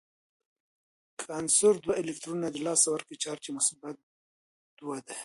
که عنصر دوه الکترونونه د لاسه ورکړي چارج یې مثبت دوه دی.